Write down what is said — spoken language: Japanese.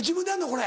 これ。